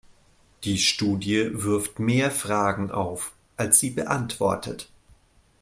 Die Studie wirft mehr Fragen auf, als sie beantwortet.